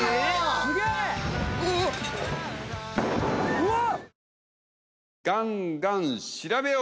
・うわっ！